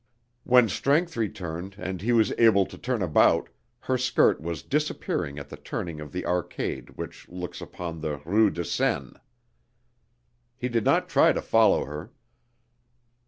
When strength returned and he was able to turn about her skirt was disappearing at the turning of the arcade which looks upon the Rue de Seine. He did not try to follow her.